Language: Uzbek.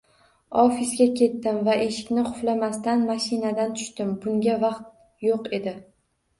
Ofisga ketdim va eshikni qulflamasdan mashinadan tushdim, bunga vaqt yo‘q edi